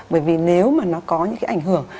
bởi vì nếu mà nó có những cái ảnh hưởng